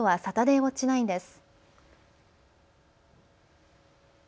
サタデーウオッチ９です。